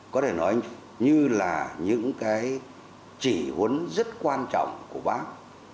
có thể nói như là những cái chỉ huấn rất quan trọng của bác